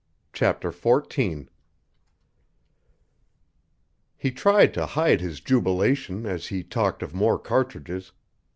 CHAPTER XIV He tried to hide his jubilation as he talked of more cartridges.